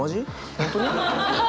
本当に？